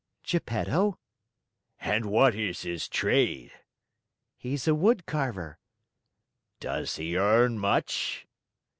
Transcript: "Geppetto." "And what is his trade?" "He's a wood carver." "Does he earn much?"